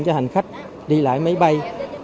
cho hành khách đi lại máy bay